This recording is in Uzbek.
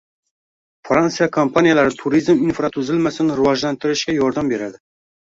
Fransiya kompaniyalari turizm infratuzilmasini rivojlantirishga yordam beradi